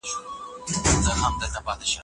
د علمي کچي پراختیا د هر هېواد هیله ده.